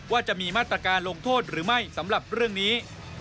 ว่าจะมีมาตรการลงโทษหรือไม่สำหรับเรื่องนี้